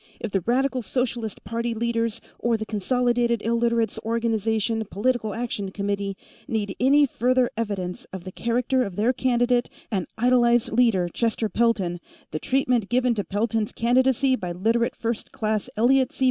If the Radical Socialist Party leaders, or the Consolidated Illiterates' Organization Political Action Committee, need any further evidence of the character of their candidate and idolized leader, Chester Pelton, the treatment given to Pelton's candidacy by Literate First Class Elliot C.